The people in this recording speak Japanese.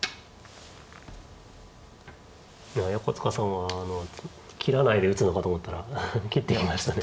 横塚さんは切らないで打つのかと思ったら切ってきましたね。